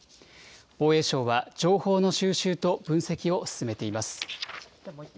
防衛省は情報の収集と分析を進めています。